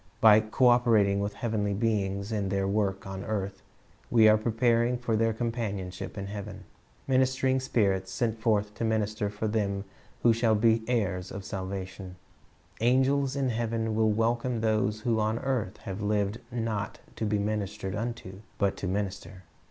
By co operating with heavenly beings in their work on earth, we are preparing for their companionship in heaven. "Minis tering spirits, sent forth to minister for them who shall be heirs of salvation,"^ angels in heaven will welcome those who on earth have lived "not to be ministered unto, but to minister."